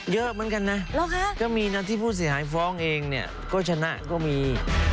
เยอะเหมือนกันนะก็มีนะที่ผู้เสียหายฟ้องเองเนี่ยก็ชนะก็มี